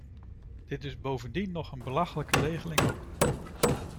Dit is bovendien nog een belachelijke regeling ook.